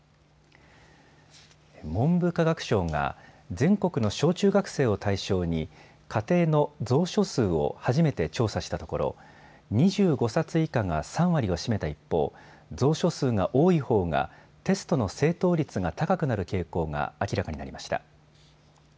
文部科学省が全国の小中学生を対象に家庭の蔵書数を初めて調査したところ２５冊以下が３割を占めた一方、蔵書数が多いほうがテストの正答率が高くなる傾向が明らかになりました。